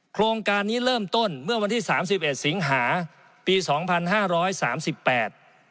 โครงการนี้เริ่มต้นเมื่อวันที่สามสิบเอ็ดสิงหาปีสองพันห้าร้อยสามสิบแปด